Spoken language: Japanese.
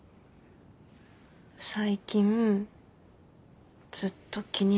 最近ずっと気になってた。